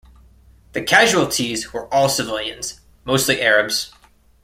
The casualties were all civilians, mostly Arabs.